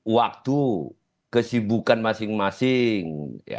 waktu kesibukan masing masing